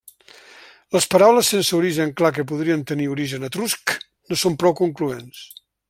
Les paraules sense origen clar que podrien tenir origen etrusc no són prou concloents.